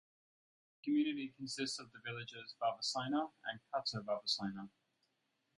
The community consists of the villages Varvasaina and Kato Varvasaina.